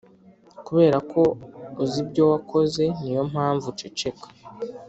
kubera ko uba uzi ibyo wakoze niyompamvu uceceka